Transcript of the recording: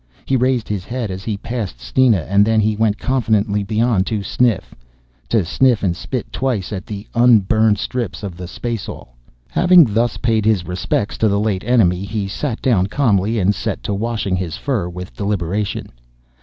He raised his head as he passed Steena and then he went confidently beyond to sniff, to sniff and spit twice at the unburned strips of the spaceall. Having thus paid his respects to the late enemy he sat down calmly and set to washing his fur with deliberation.